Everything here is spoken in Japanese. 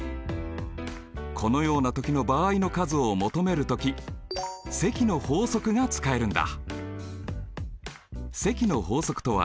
このような時の場合の数を求める時積の法則が使えるんだ。